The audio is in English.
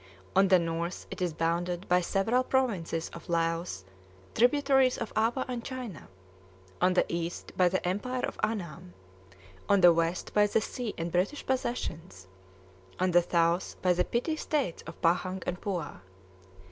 On the north it is bounded by several provinces of Laos, tributaries of Ava and China; on the east by the empire of Anam; on the west by the sea and British possessions; on the south by the petty states of Pahang and Puah.